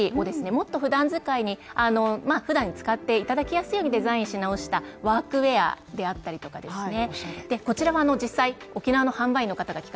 もっと普段使いに使っていただきやすいようにデザインし直したワークウェアであったりとかですね